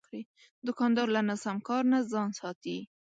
دوکاندار له ناسم کار نه ځان ساتي.